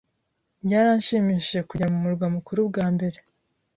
Byaranshimishije kujya mu murwa mukuru bwa mbere.